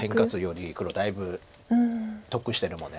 黒だいぶ得してるもんね。